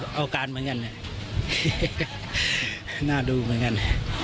ก็เอาการเหมือนกันนะหน้าดูเหมือนกัน